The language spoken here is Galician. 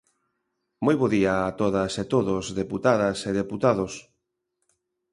Moi bo día a todas e todos, deputadas e deputados.